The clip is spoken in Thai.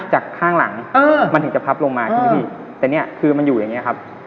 จากข้างหลังมันถึงจะพับลงมาแต่มันอยู่อย่างนี้ครับ